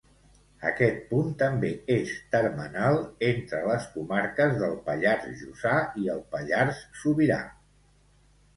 Aquest punt també és termenal entre les comarques del Pallars Jussà i el Pallars Sobirà.